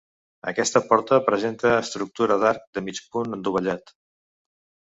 Aquesta porta presenta estructura d'arc de mig punt adovellat.